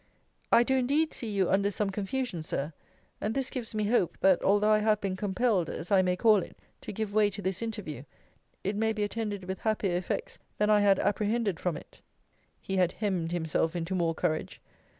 I do indeed see you under some confusion, Sir; and this gives me hope, that although I have been compelled, as I may call it, to give way to this interview, it may be attended with happier effects than I had apprehended from it. He had hemmed himself into more courage.